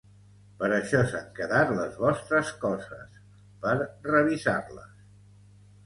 Per això s'han quedat les vostres coses, per revisar-les.